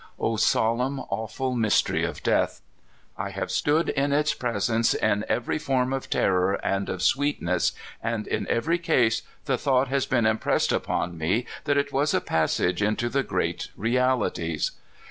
O solemn, awful mystery of death ! I have stood in its presence in every form of terror and of sweetness, and in every case the thought has been impressed upon me that it was a passage into the Great Realities.